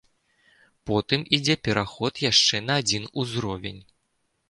Потым ідзе пераход яшчэ на адзін узровень.